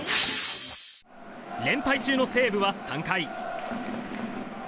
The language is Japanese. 連敗中の西武は３回。